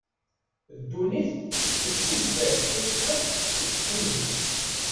Ddunit tettezder cwiṭ cwiṭ deg tiselbi.